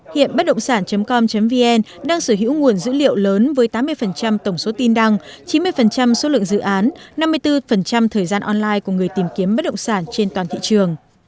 hiện bất động sản com vn đang sở hữu nguồn dữ liệu lớn với tám mươi tổng số tin đăng chín mươi số lượng dự án năm mươi bốn thời gian online của người tìm kiếm bất động sản trên toàn thị trường